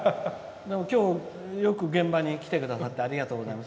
きょう、よく現場に来てくださってありがとうございます。